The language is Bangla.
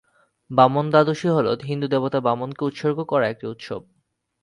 বামন দ্বাদশী হল হিন্দু দেবতা বামন কে উৎসর্গ করা একটি উৎসব।